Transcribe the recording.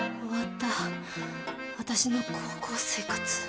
終わった私の高校生活。